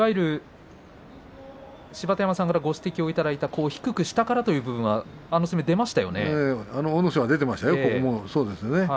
芝田山さんからご指摘をいただいた低く下からという阿武咲、出ていましたよ。